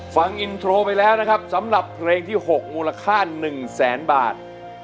ฟังอินโทรไปแล้วนะครับสำหรับเพลงที่๖มูลค่า๑แสนบาท